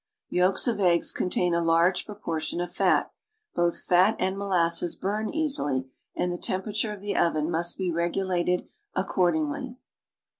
Yolks of eggs contain a large proportion of fat; ))oth fat and molasses burn easily and the temperature of the oven must be regulated accordingly.